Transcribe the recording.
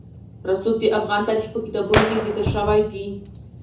رسوب د افغان تاریخ په کتابونو کې ذکر شوی دي.